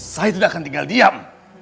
saya tidak akan tinggal diam